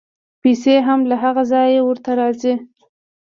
پیسې هم له هغه ځایه ورته راځي.